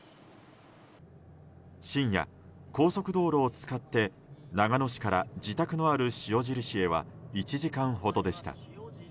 深夜、高速道路を使って長野市から自宅のある塩尻市へは１時間ほどでした。